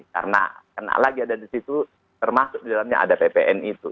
karena lagi ada di situ termasuk di dalamnya ada ppn itu